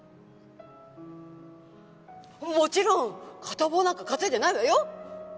もちろん片棒なんか担いでないわよ！